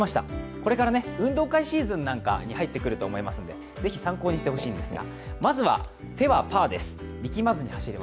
これから運動会シーズンなんかに入ってくると思いますので、ぜひ参考にしてほしいんですが。